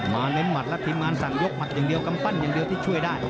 เน้นหมัดแล้วทีมงานสั่งยกหมัดอย่างเดียวกำปั้นอย่างเดียวที่ช่วยได้